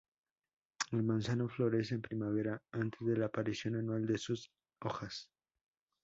El manzano florece en primavera antes de la aparición anual de sus hojas.